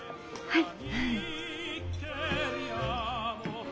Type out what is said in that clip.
はい。